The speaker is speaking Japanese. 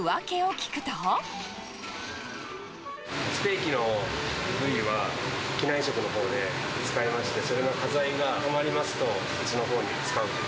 ステーキの部位は、機内食のほうで使いまして、それの端材が余りますと、うちのほうで使う。